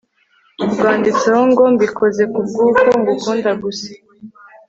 rwanditseho ngo mbikoze kubwuko ngukunda gusa